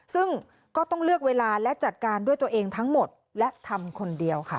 ซึ่งก็ต้องเลือกเวลาและจัดการด้วยตัวเองทั้งหมดและทำคนเดียวค่ะ